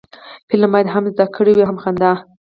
فلم باید هم زده کړه وي، هم خندا